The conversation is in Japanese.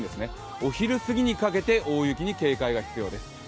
お昼すぎにかけて大雪に警戒が必要です。